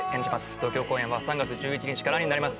東京公演は３月１１日からになります